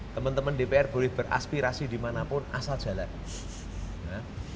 teman teman dpr boleh beraspirasi dimanapun asal jalan